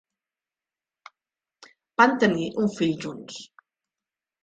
Van tenir un fill junts.